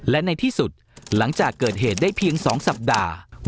และในที่สุดหลังจากเกิดเหตุได้เพียง๒สัปดาห์